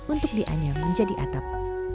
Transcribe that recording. untuk dianyam menjadi atap